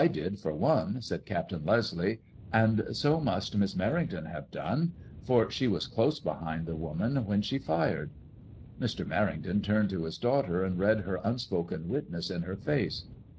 *''^ jL did for one," said Captain Lesl e, '' and so must Miss \ ICABBMOISSLLB IXB. 1 59 Merrington have done, for she was close behind the woman when she fired." Mr. Merrington turned to his daughter and read her unspoken witness in her face.